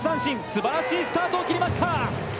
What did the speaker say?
すばらしいスタートを切りました。